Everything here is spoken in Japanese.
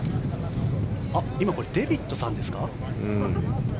今これ、デービッドさんですか？